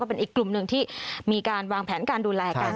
เป็นอีกกลุ่มหนึ่งที่มีการวางแผนการดูแลกัน